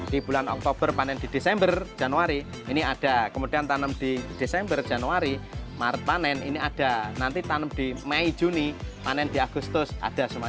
di bulan oktober panen di desember januari ini ada kemudian tanam di desember januari maret panen ini ada nanti tanam di mei juni panen di agustus ada semua